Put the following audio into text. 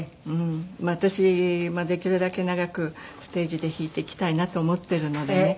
私できるだけ長くステージで弾いていきたいなと思ってるのでね